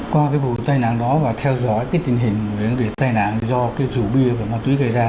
qua cái vụ tai nạn đó và theo dõi cái tình hình về cái tai nạn do cái rượu bia và ma túy gây ra